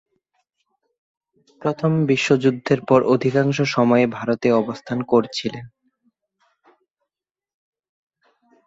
প্রথম বিশ্বযুদ্ধের পর অধিকাংশ সময়েই ভারতে অবস্থান করেছিলেন।